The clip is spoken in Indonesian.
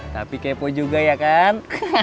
tapi kepo juga ya kan